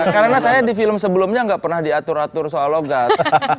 karena saya di film sebelumnya gak pernah diatur atur soal logat